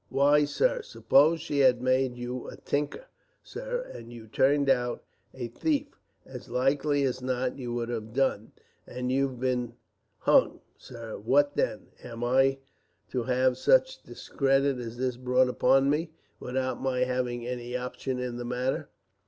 "Why, sir, suppose she had made you a tinker, sir, and you turned out a thief, as likely as not you would have done, and you'd been hung, sir, what then? Am I to have such discredit as this brought upon me, without my having any option in the matter?"